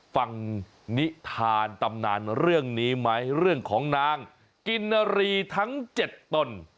นิทานตำนานเรื่องนี้ไหมเรื่องของนางกินนารีทั้ง๗ตน